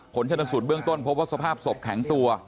ชนสูตรเบื้องต้นพบว่าสภาพศพแข็งตัว